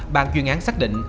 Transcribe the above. bàn chuyên án xác định